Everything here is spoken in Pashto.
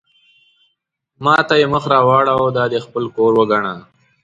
ما ته یې مخ را واړاوه: دا دې خپل کور وګڼه.